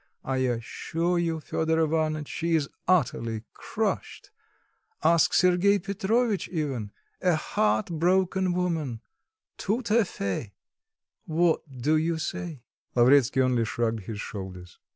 I assure you, Fedor Ivanitch, she is utterly crushed, ask Sergei Petrovitch even; a heart broken woman, tout à fait: what do you say?" Lavretsky only shrugged his shoulders.